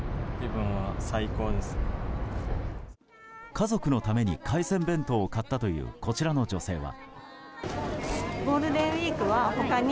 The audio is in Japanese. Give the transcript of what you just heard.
家族のために海鮮弁当を買ったというこちらの女性は。